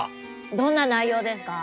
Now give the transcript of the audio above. どんな内容ですか？